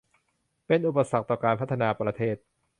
เป็นอุปสรรคต่อการพัฒนาประเทศ